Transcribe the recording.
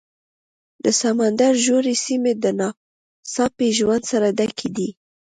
د سمندر ژورې سیمې د ناڅاپي ژوند سره ډکې دي.